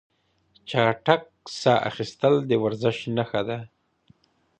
چټک ساه اخیستل د ورزش نښه ده.